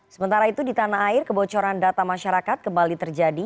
sementara itu di tanah air kebocoran data masyarakat kembali terjadi